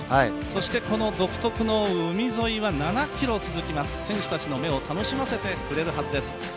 そしてこの独特の海沿いは７ｋｍ続きます選手たちの目を楽しませてくれるはずです。